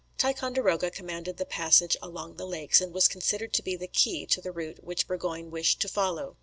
Ticonderoga commanded the passage along the lakes, and was considered to be the key to the route which Burgoyne wished to follow.